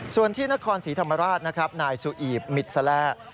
ส่วนที่นครศรีธรรมราชนายสุอีบมิตซาแล